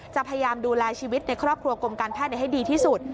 พยายามดูแลชีวิตในครอบครัวกรมการแพทย์ให้ดีที่สุด